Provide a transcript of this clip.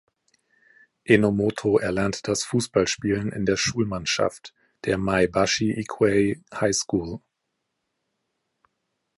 Enomoto erlernte das Fußballspielen in der Schulmannschaft der "Maebashi Ikuei High School".